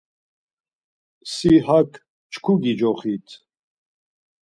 Si hak çku gicoxit!